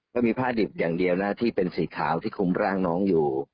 ก็มีผ้าดิบอย่างเดียวนะที่เป็นสีขาวที่คุมร่างน้องอยู่